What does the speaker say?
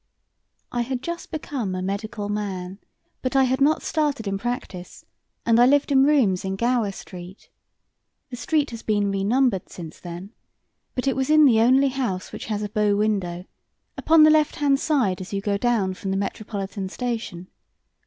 I had just become a medical man, but I had not started in practice, and I lived in rooms in Gower Street. The street has been renumbered since then, but it was in the only house which has a bow window, upon the left hand side as you go down from the Metropolitan Station.